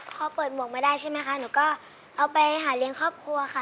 พอเปิดหมวกมาได้ใช่ไหมคะหนูก็เอาไปหาเลี้ยงครอบครัวค่ะ